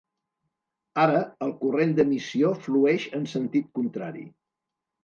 Ara, el corrent d'emissió flueix en sentit contrari.